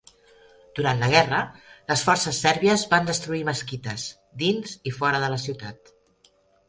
Durant la guerra les forces sèrbies van destruir mesquites dins i fora de la ciutat.